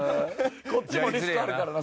こっちもリスクあるからな。